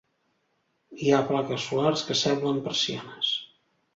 Hi ha plaques solars que semblen persianes.